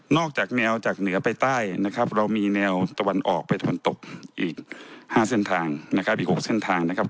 นอกจากแนวจากเหนือไปใต้เรามีแนวตะวันออกไปตะวันตกอีก๕เส้นทาง